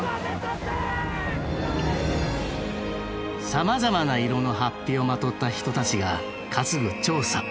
さまざまな色の法被をまとった人たちが担ぐちょうさ。